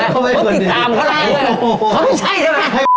คือติดตามเขาทำไม